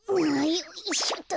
よいしょっと。